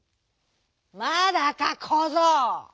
「まだかこぞう！」。